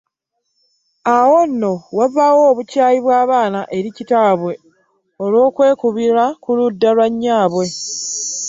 Awo nno wavaawo obukyayi bw’abaana eri kitaabwe olw’okwekubira ku ludda lwa nnyaabwe.